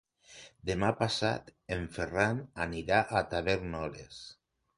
Demà passat en Ferran anirà a Tavèrnoles.